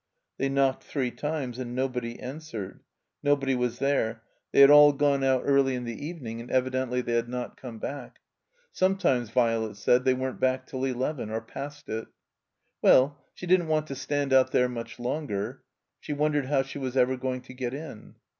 They knocked three times, and nobody answered. Nobody was there. They had all gone out early in xxa THE COMBINED MAZE the evening, and evidently they had not come back. Sometimes, Violet said, they weren't back till eleven or past it. Well, she didn't want to stand out there much longer. She wondered how she was ever going to get in.